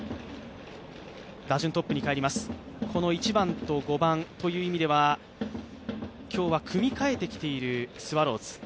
この１番と５番という意味では、今日は組みかえてきているスワローズ。